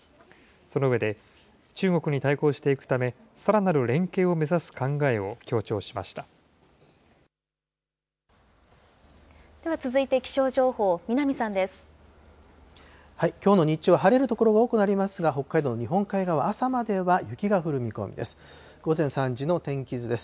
その上で、中国に対抗していくため、さらなる連携を目指す考えをでは続いて気象情報、南さんきょうの日中、晴れる所が多くなりますが、北海道、日本海側、朝までは雪が降る見込みです。